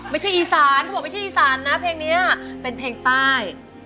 ไม่ใช่อีสานเขาบอกไม่ใช่อีสานนะเพลงนี้เป็นเพลงใต้